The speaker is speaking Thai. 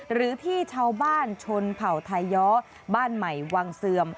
หรือที่ชาวบ้านชนเผ่าไทยย้อบ้านใหม่วังเสื่อม